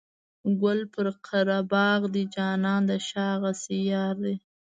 ګل پر قره باغ دی جانانه د شا غاسي یاره.